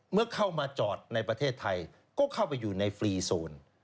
เมื่อเข้ามาจอดในประเทศไทยก็เข้าไปอยู่ในฟรีโซน